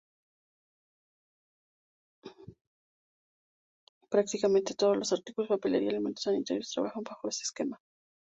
Prácticamente todos los artículos de papelería, alimentos o sanitarios trabajan bajo este esquema.